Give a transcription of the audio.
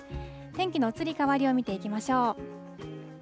天気の移り変わりを見ていきましょう。